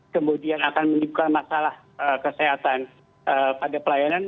kemudian akan menimbulkan masalah kesehatan pada pelayanan